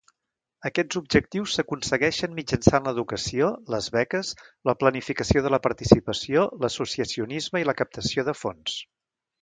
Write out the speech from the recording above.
Aquests objectius s'aconsegueixen mitjançant l'educació, les beques, la planificació de la participació, l'associacionisme i la captació de fons.